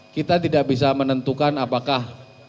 kita tidak bisa menentukan apakah